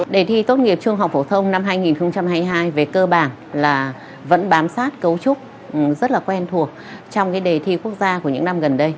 đề thi tốt nghiệp trung học phổ thông năm hai nghìn hai mươi hai về cơ bản là vẫn bám sát cấu trúc rất là quen thuộc trong cái đề thi quốc gia của những năm gần đây